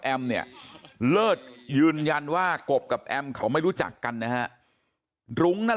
เนี่ยเลิศยืนยันว่ากบกับแอมเขาไม่รู้จักกันนะฮะรุ้งนั่น